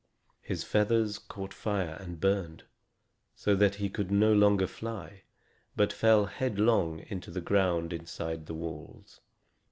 His feathers caught fire and burned, so that he could no longer fly, but fell headlong to the ground inside the walls.